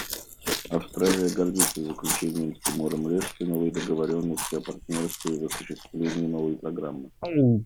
Австралия гордится заключением с Тимором-Лешти новой договоренности о партнерстве в осуществлении Новой программы.